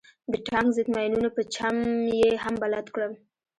د ټانک ضد ماينونو په چم يې هم بلد کړم.